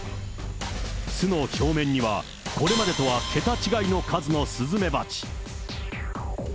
巣の表面には、これまでとは桁違いの数のスズメバチ。